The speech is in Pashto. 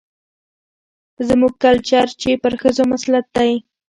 زموږ کلچر چې پر ښځو مسلط دى،